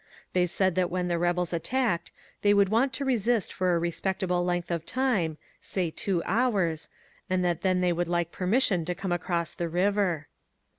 They said that when the rebels attacked they would want to resist for a respectable length of time, — say two hours, — and that then they would like permission to come across the river.